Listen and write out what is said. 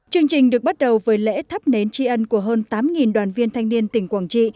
chương trình được bắt đầu với lễ thắp nến tri ân của hơn tám đoàn viên thanh niên tỉnh quảng trị